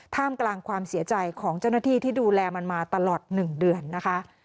ท่ามกลางความเสียใจของเจ้าหน้าที่ที่ดูแลมันมาตลอด๑เดือนนะคะ